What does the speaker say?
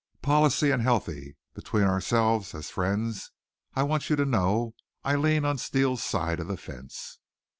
Policy and healthy. Between ourselves, as friends, I want you to know I lean some on Steele's side of the fence."